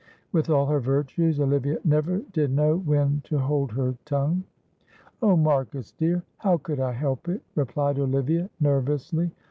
With all her virtues Olivia never did know when to hold her tongue. "Oh, Marcus dear, how could I help it," replied Olivia, nervously.